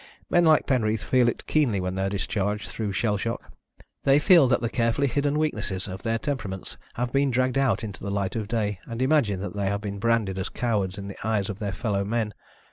Men like Penreath feel it keenly when they are discharged through shell shock. They feel that the carefully hidden weaknesses of their temperaments have been dragged out into the light of day, and imagine they have been branded as cowards in the eyes of their fellow men.